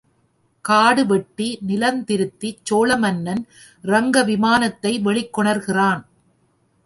காடு வெட்டி நிலந்திருத்திச் சோழ மன்னன் ரங்கவிமானத்தை வெளிக் கொணர்கிறான்.